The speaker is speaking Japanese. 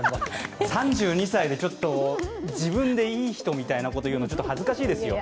３２歳で、自分で「いい人」みたいなこと言うの恥ずかしいですよ。